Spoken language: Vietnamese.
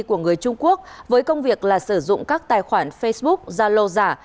của người trung quốc với công việc là sử dụng các tài khoản facebook zaloza